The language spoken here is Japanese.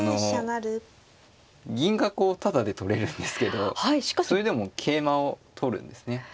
あの銀がこうタダで取れるんですけどそれでも桂馬を取るんですね。